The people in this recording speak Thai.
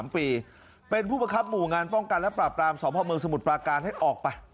๓ปีเป็นผู้ประคับหมู่งานป้องกันและปราบรามสมภาพเมืองสมุทรปราการให้ออกไป